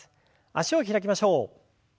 脚を開きましょう。